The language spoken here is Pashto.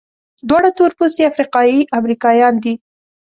دواړه تورپوستي افریقایي امریکایان دي.